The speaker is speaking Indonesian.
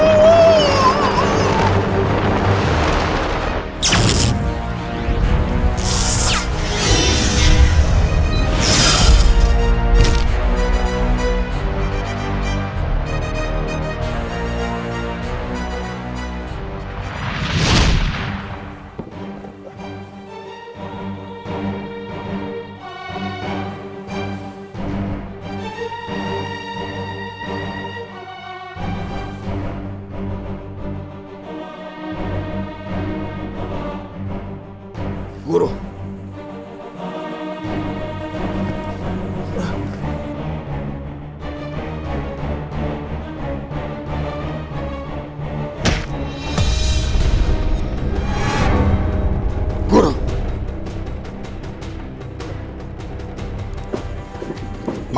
aku ingin menunggumu